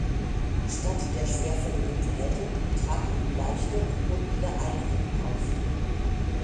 Statt der schwerfälligen Geräte traten nun leichte und mobile Einheiten auf.